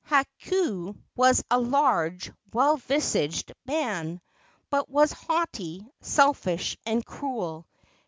Hakau was a large, well visaged man, but was haughty, selfish and cruel.